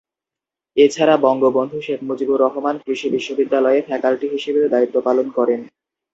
এছাড়া বঙ্গবন্ধু শেখ মুজিবুর রহমান কৃষি বিশ্ববিদ্যালয়ে ফ্যাকাল্টি হিসেবেও দায়িত্ব পালন করেন।